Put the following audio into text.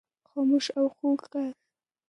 خاموش او خوږ ږغ